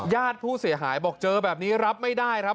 ญาติผู้เสียหายบอกเจอแบบนี้รับไม่ได้ครับ